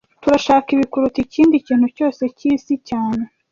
Turashaka ibi kuruta ikindi kintu cyose cyisi cyane